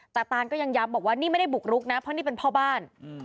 แต่ตานก็ยังย้ำบอกว่านี่ไม่ได้บุกรุกนะเพราะนี่เป็นพ่อบ้าน